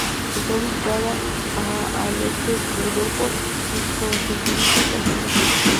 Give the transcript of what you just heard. Está ubicada a al este de Belfort et fronteriza con Suiza.